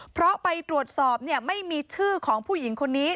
เพราะไปตรวจสอบไม่มีชื่อของผู้หญิงคนนี้